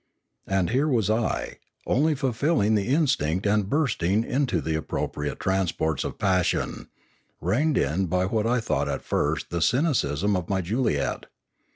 And here was I, only fulfilling the instinct and bursting into the ap propriate transports of passion, reined in by what I thought at first the cynicism of my Juliet.